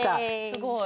すごい。